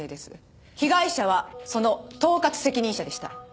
被害者はその統括責任者でした。